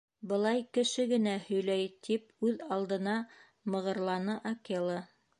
Былай кеше генә һөйләй! — тип үҙ алдына мығырланы Акела.